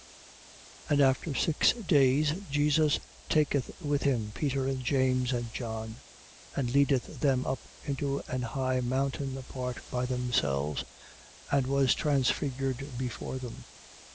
9:1. And after six days, Jesus taketh with him Peter and James and John, and leadeth them up into an high mountain apart by themselves, and was transfigured before them.